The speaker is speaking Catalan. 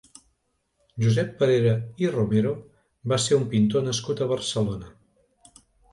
Josep Parera i Romero va ser un pintor nascut a Barcelona.